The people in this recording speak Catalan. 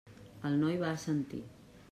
El noi va assentir.